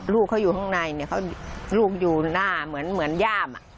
ลูกเขาอยู่ข้างในเนี่ยลูกอยู่หน้าเหมือนย่าม